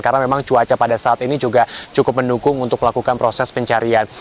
karena memang cuaca pada saat ini juga cukup mendukung untuk melakukan proses pencarian